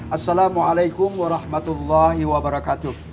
assalamualaikum warahmatullahi wabarakatuh